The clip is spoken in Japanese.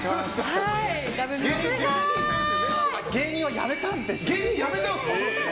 芸人はやめたんです。